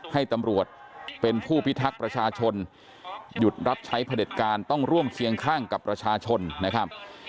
ให้ตำรวจเป็นผู้พิทักษ์ประชาชนหยุดรับใช้ผลิตการต้องร่วมเคียงข้างกับประชาชนนะครับ